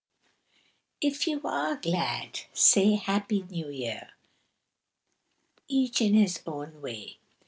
If you are glad, say Happy New Year! each in his own way!